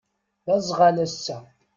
D azɣal ass-a.